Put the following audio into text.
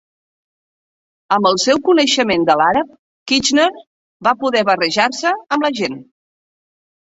Amb el seu coneixement de l'àrab, Kitchener va poder barrejar-se amb la gent.